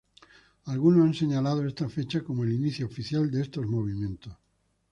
Algunos han señalado esta fecha como el inicio oficial de estos movimientos.